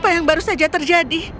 apa yang baru saja terjadi